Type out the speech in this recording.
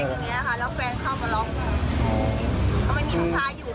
ทำสร้างแบบนี้